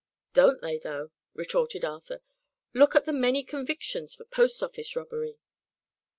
"Don't they, though!" retorted Arthur. "Look at the many convictions for post office robbery!"